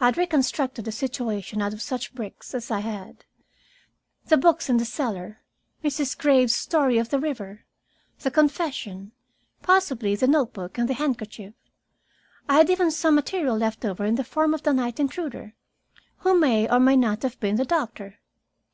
I had reconstructed a situation out of such bricks as I had, the books in the cellar, Mrs. Graves's story of the river, the confession, possibly the note book and the handkerchief. I had even some material left over in the form of the night intruder, who may or may not have been the doctor.